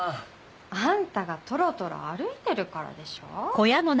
あんたがトロトロ歩いてるからでしょ？